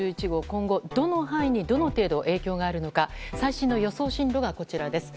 今後、どの範囲にどの程度影響があるのか最新の予想進路がこちらです。